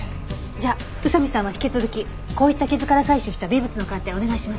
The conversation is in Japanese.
じゃあ宇佐見さんは引き続きこういった傷から採取した微物の鑑定お願いします。